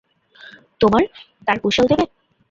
তোমার, তার কুশল দেবে।